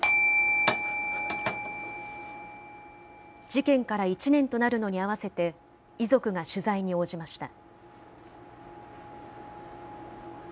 事件から１年となるのに合わせて、遺族が取材に応じました。